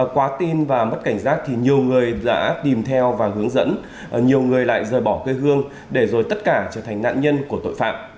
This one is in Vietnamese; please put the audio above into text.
quá tin và mất cảnh giác thì nhiều người đã tìm theo và hướng dẫn nhiều người lại rời bỏ cây hương để rồi tất cả trở thành nạn nhân